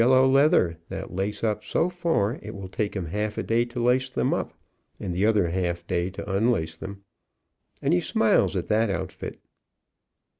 low leather, that lace up so far it will take him half a day to lace them up, and the other half day to un lace them, and he smiles at that outfit.